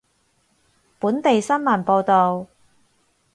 本地新聞報道